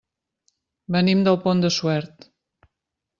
Venim del Pont de Suert.